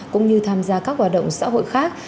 cũng như tham gia các hoạt động xã hội khác